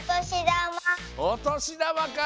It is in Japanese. お年玉か！